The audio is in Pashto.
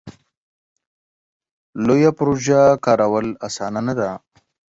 لویه پروژه کارول اسانه نه ده.